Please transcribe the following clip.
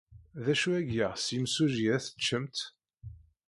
D acu ay yeɣs yimsujji ad t-teččemt?